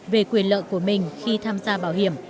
về quyền lợi của mình khi tham gia bảo hiểm